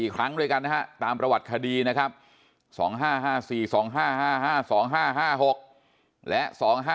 ครั้งด้วยกันนะฮะตามประวัติคดีนะครับ๒๕๕๔๒๕๕๕๒๕๕๖และ๒๕๖